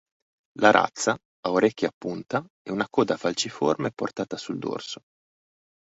La razza ha orecchie a punta e una coda falciforme portata sul dorso.